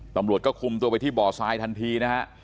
ตำรวจก็คุมตัวไปที่บ่อทรายทันทีนะฮะ